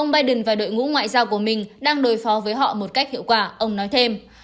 ông biden và đội ngũ ngoại giao của mình đang đối phó với họ một cách hiệu quả ông nói thêm